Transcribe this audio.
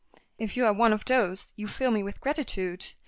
"If you are one of 'those' you fill me with gratitude.